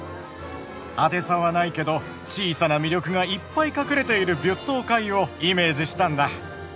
派手さはないけど小さな魅力がいっぱい隠れているビュットオカイユをイメージしたんだ。